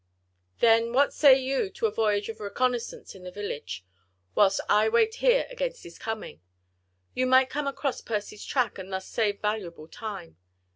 "Then, what say you to a voyage of reconnaissance in the village whilst I wait here against his coming!—You might come across Percy's track and thus save valuable time.